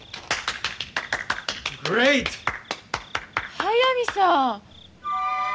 速水さん！